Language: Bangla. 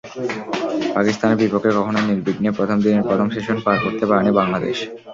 পাকিস্তানের বিপক্ষে কখনোই নির্বিঘ্নে প্রথম দিনের প্রথম সেশন পার করতে পারেনি বাংলাদেশ।